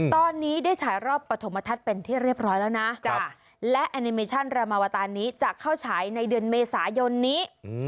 ตอนนี้ได้ฉายรอบปฐมทัศน์เป็นที่เรียบร้อยแล้วนะและแอนิเมชั่นรามาวตานนี้จะเข้าฉายในเดือนเมษายนนี้